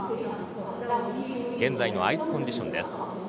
現在のアイスコンディションです。